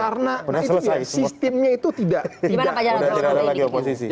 karena sistemnya itu tidak ada lagi oposisi